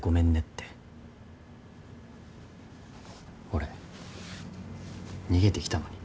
俺逃げてきたのに。